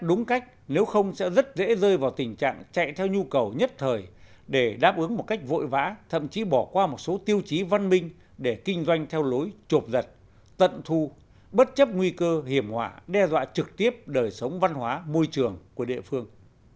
đúng cách nếu không sẽ rất dễ rơi vào tình trạng chạy theo nhu cầu nhất thời để đáp ứng một cách vội vã thậm chí bỏ qua một số tiêu chí văn minh để kinh doanh theo lối chụp giật tận thu bất chấp nguy cơ hiểm họa đe dọa trực tiếp đời sống văn hóa môi trường của địa phương